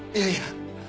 いやいや。